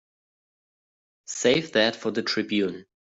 Save that for the Tribune.